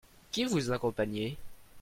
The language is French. Qui vous accompagnait ?